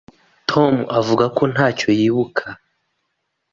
Tom avuga ko ntacyo yibuka.